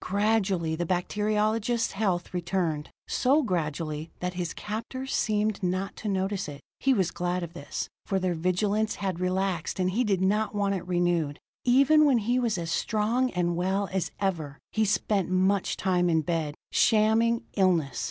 Gradually the bacteriologist's health returned so gradually that his captors seemed not to notice it. He was glad of this, for their vigilance had relaxed, and he did not want it renewed. Even when he was as strong and well as ever, he spent much time in bed, shamming illness.